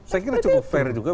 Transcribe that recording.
saya kira cukup fair juga